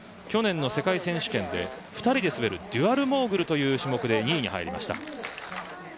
去年の世界選手権で２人で滑るデュアルモーグルという種目で２位に入りました。